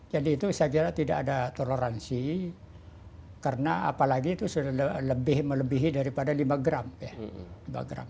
jadi itu saya kira tidak ada toleransi karena apalagi itu sudah lebih melebihi daripada lima gram ya